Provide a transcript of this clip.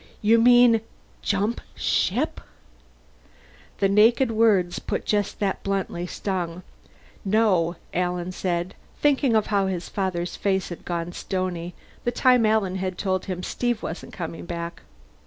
"You mean jump ship?" The naked words, put just that bluntly, stung. "No," Alan said, thinking of how his father's face had gone stony the time Alan had told him Steve wasn't coming back.